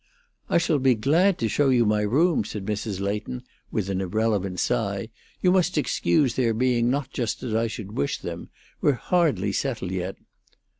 "I shall be glad to show you my rooms," said Mrs. Leighton, with an irrelevant sigh. "You must excuse their being not just as I should wish them. We're hardly settled yet."